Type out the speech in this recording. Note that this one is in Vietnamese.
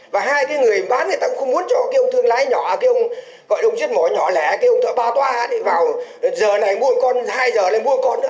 và hai người bán người ta cũng không muốn cho ông thương lái nhỏ gọi ông giết mổ nhỏ lẻ ông thợ bà toa vào giờ này mua con hai giờ này mua con nữa